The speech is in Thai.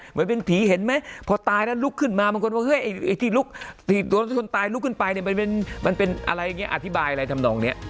เหมือนเป็นผีเห็นไหมพอตายแล้วลุกขึ้นมาคนตายลุกขึ้นไปอธิบายอะไรทำนองเนี่ย